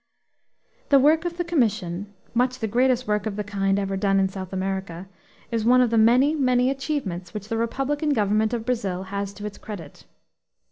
The work of the commission, much the greatest work of the kind ever done in South America, is one of the many, many achievements which the republican government of Brazil has to its credit.